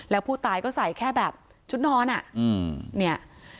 แล้วผู้ตายก็ใส่แค่แบบชุดนอนอ่ะอืมเนี่ย